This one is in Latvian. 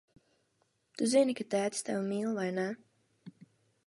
Tu zini, ka tētis tevi mīl, vai ne?